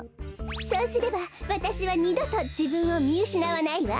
そうすればわたしはにどとじぶんをみうしなわないわ。